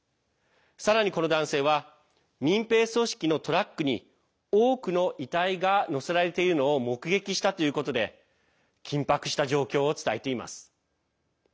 さらにこの男性は民兵組織のトラックに多くの遺体がのせられているのを目撃したということで緊迫した状況を伝えています。